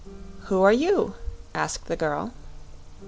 "Who are you?" asked the girl.